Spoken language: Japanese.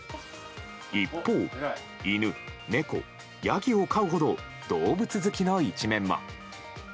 一方、犬、猫、ヤギを飼うほど動物好きな一面も。